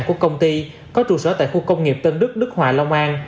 của công ty có trụ sở tại khu công nghiệp tân đức đức hòa long an